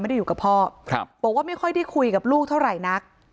อยู่กับพ่อครับบอกว่าไม่ค่อยได้คุยกับลูกเท่าไหร่นัก